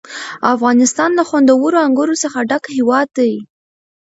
افغانستان له خوندورو انګورو څخه ډک هېواد دی.